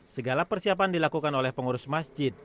segala persiapan dilakukan oleh pengurus masjid